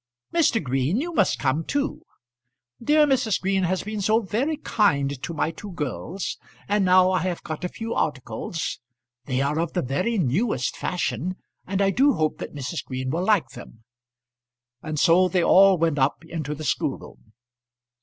"Mr. Green, you must come too. Dear Mrs. Green has been so very kind to my two girls; and now I have got a few articles, they are of the very newest fashion, and I do hope that Mrs. Green will like them." And so they all went up into the schoolroom.